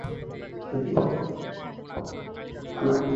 পঁচিশ বছর আমি এখানে কাজ করেছি, দুর্ঘটনা ঘটে থাকে।